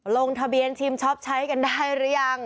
ลงทะเบียนชิมช็อปใช้กันได้หรือยัง